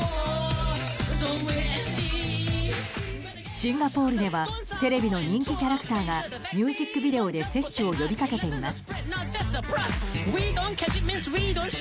シンガポールではテレビの人気キャラクターがミュージックビデオで接種を呼びかけています。